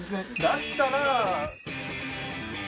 だったら。